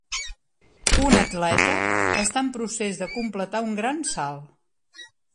Una atleta està en procés de completar un gran salt.